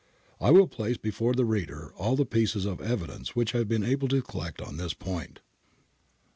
I will place before the reader all the pieces of evidence which I have been able to collect on this point.